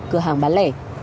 cửa hàng bán lẻ